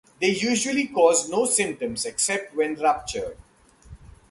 They usually cause no symptoms except when ruptured.